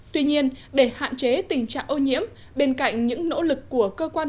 tuy nhiên để hạn chế tình trạng ô nhiễm bên cạnh những nỗ lực của cơ quan